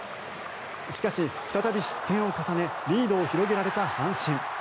しかし、再び失点を重ねリードを広げられた阪神。